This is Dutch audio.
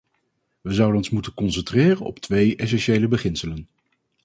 Wij zouden ons moeten concentreren op twee essentiële beginselen.